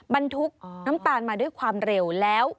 บรรทุกน้ำตาลมาด้วยความเร็วแล้ว